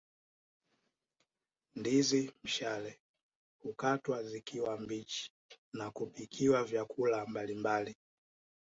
Ndizi mshale hukatwa zikiwa mbichi na kupikiwa vyakula mbalimbali